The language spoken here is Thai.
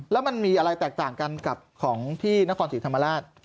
แล้วมันมีอะไรแตกต่างกันกับของที่นครศรีธรรมราช